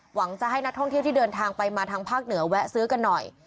หวังจะให้นักท่องเที่ยวที่เดินทางไปมาทางภาคเหนือแวะซื้อกันหน่อย